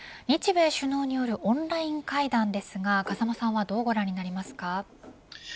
日米首脳によるオンライン会談ですが風間さんはどうご覧になりますか。